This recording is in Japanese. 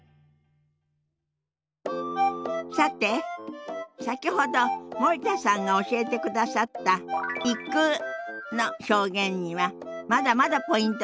さて先ほど森田さんが教えてくださった「行く」の表現にはまだまだポイントがあるようよ。